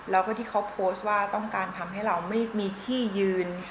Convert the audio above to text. แล้วก็ที่เขาโพสต์ว่าต้องการทำให้เราไม่มีที่ยืน